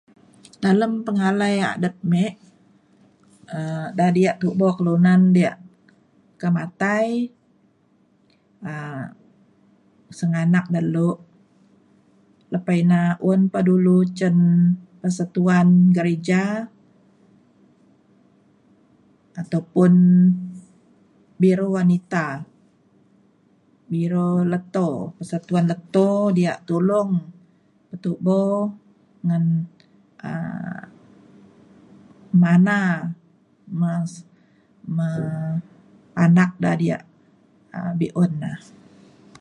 dalem pengalai adet me' um da dia' tubo kelunan ia' ka matai um senganak na lu' lepa ina un pa dulu cen persatuan gereja ataupun biro wanita biro leto persatuan leto ia' tulong petubo ngan um mana- me- panak da dia' um be' un na